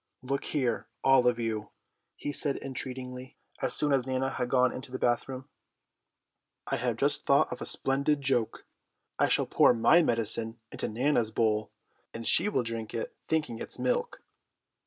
"Look here, all of you," he said entreatingly, as soon as Nana had gone into the bathroom. "I have just thought of a splendid joke. I shall pour my medicine into Nana's bowl, and she will drink it, thinking it is milk!"